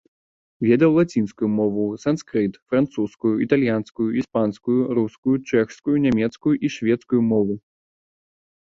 Ведаў лацінскую мову, санскрыт, французскую, італьянскую, іспанскую, рускую, чэшскую, нямецкую і шведскую мовы.